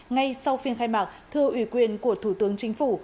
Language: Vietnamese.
ngay sau phiên khai mạc thưa ủy quyền của thủ tướng chính phủ